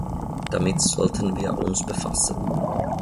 Damit sollten wir uns befassen.